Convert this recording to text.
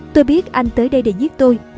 tôi biết anh tới đây để giết tôi